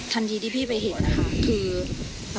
ทันทีที่พี่ไปเห็นนะคะคือ